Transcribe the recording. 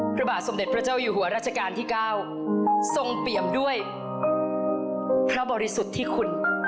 พระบาทสมเด็จพระเจ้าอยู่หัวราชการที่๙ทรงเปี่ยมด้วยพระบริสุทธิคุณ